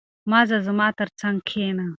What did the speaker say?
مه ځه، زما تر څنګ کښېنه.